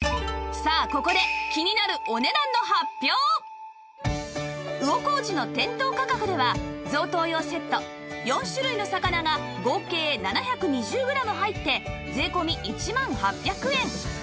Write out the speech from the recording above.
さあここで魚小路の店頭価格では贈答用セット４種類の魚が合計７２０グラム入って税込１万８００円